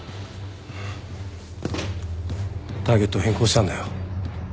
ターゲットを変更したんだよ。